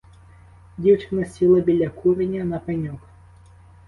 Дівчина сіла біля куреня на пеньок.